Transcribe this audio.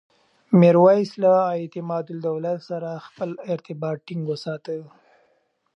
میرویس له اعتمادالدولة سره خپل ارتباط ټینګ وساته.